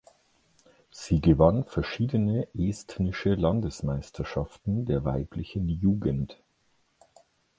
Sie gewann verschiedene estnische Landesmeisterschaften der weiblichen Jugend.